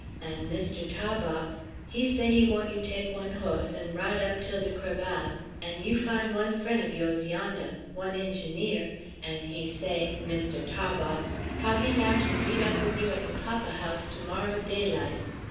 An' Mistoo Tah bawx he say he want you teck one hoss an' ride up till de crevasse an' you fine one frien' of yose yondah, one ingineer; an' he say Mistoo Tah bawx how he 'low to meet up wid you at you papa' house to morrow daylight.